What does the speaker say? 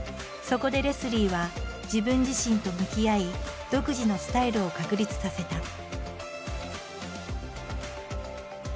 そこでレスリーは自分自身と向き合い独自のスタイルを確立させた。